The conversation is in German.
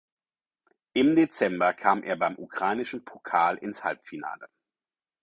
Im Dezember kam er beim ukrainischen Pokal ins Halbfinale.